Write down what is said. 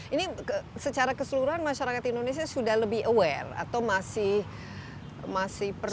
ini secara keseluruhan masyarakat indonesia sudah lebih aware atau masih perlu ini lah